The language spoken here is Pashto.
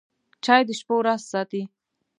چای د شپو راز ساتي.